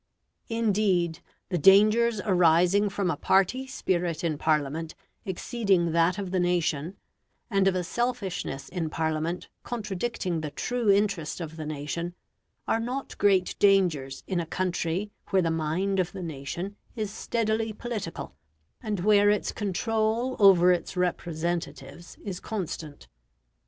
Indeed, the dangers arising from a party spirit in Parliament exceeding that of the nation, and of a selfishness in Parliament contradicting the true interest of the nation, are not great dangers in a country where the mind of the nation is steadily political, and where its control over its representatives is constant.